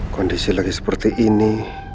kondisi lagi seperti ini